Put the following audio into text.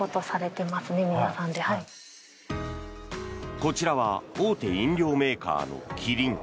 こちらは大手飲料メーカーのキリン。